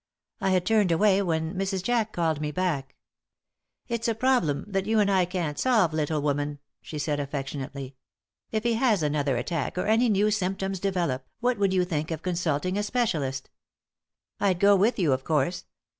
I had turned away when Mrs. Jack called me back. "It's a problem that you and I can't solve, little woman," she said, affectionately. "If he has another attack, or any new symptoms develop, what would you think of consulting a specialist? I'd go with you, of course.